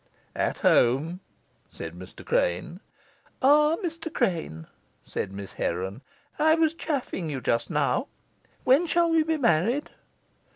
"At home," said Mr. Crane. "Ah, Mr. Crane," said Miss Heron, "I was chaffing you just now. When shall we be married?"